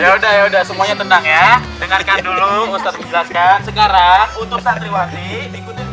ya udah ya udah semuanya tenang ya dengarkan dulu ustadz ke sekarang untuk santriwati ikuti